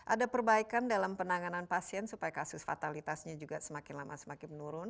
ada perbaikan dalam penanganan pasien supaya kasus fatalitasnya juga semakin lama semakin menurun